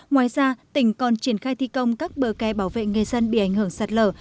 ngoài ra tỉnh còn triển khai thi công các bờ kè bảo vệ người dân bị ảnh hưởng sạt lở